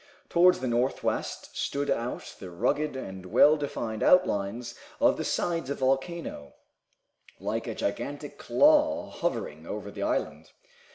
Towards the northwest stood out the rugged and well defined outlines of the sides of the volcano, like a gigantic claw hovering over the island.